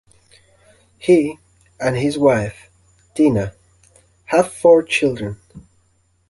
He and his wife, Tina, have four children.